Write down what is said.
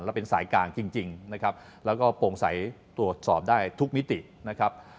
แล้วเป็นสายกลางจริงนะครับแล้วก็โปร่งใสตรวจสอบได้ทุกมิตินะครับ